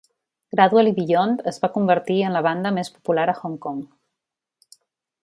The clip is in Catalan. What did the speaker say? Gradually Beyond es va convertir en la banda més popular a Hong Kong.